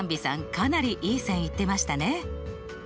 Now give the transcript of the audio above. かなりいい線いってましたね。